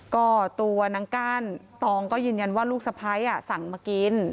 ก็ตัวนางก้านตองก็ยืนยันว่าลูกสะพ้ายสั่งมากิน